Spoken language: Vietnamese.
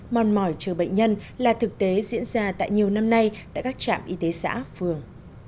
mòn mỏi chờ bệnh nhân là thực tế diễn ra tại nhiều năm nay tại các trạm y tế xã phường